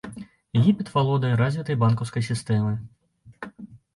Егіпет валодае развітай банкаўскай сістэмай.